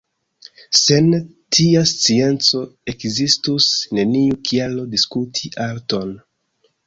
Sen tia scienco, ekzistus neniu kialo diskuti arton.